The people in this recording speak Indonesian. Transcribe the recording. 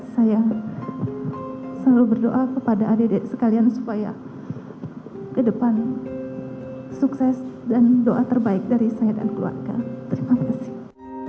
saya selalu berdoa kepada adik adik sekalian supaya ke depan sukses dan doa terbaik dari saya dan keluarga terima kasih